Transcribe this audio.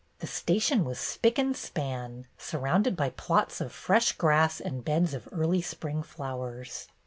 The station was spick and span, surrounded by plots of fresh grass and beds of early spring flowers.